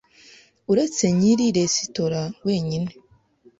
uretse nyiri resitora wenyine